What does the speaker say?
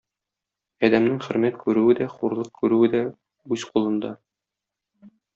Адәмнең хөрмәт күрүе дә хурлык күрүе дә үз кулында.